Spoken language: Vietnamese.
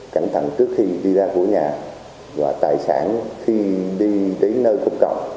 cảnh thẳng trước khi đi ra của nhà và tài sản khi đi đến nơi không cọng